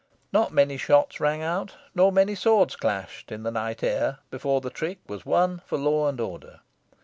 Not many shots rang out, nor many swords clashed, in the night air, before the trick was won for law and order.